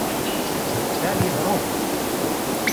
Belje werom.